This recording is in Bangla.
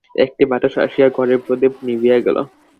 একটা বাতাস আসিয়া ঘরের প্রদীপ নিবিয়া গেল।